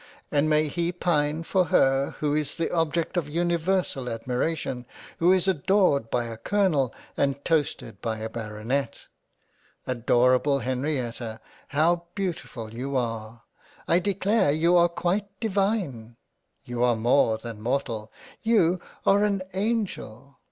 and may he pine for her who is the object of universal admiration, who is adored by a Colonel, and toasted by a Baronet ! Adorable Henrietta how beautiful you are ! I declare you are quite divine ! You are more than Mortal. You are an Angel.